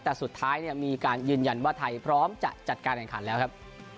แต่สุดท้ายมีการยืนยันว่าไทยพร้อมจะจัดการแข่งขันแล้วครับ